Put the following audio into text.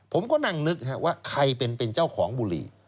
ผมก็นั่งนึกนะครับว่าใครเป็นเป็นเจ้าของบุหรี่